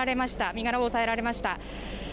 身柄を押さえられました。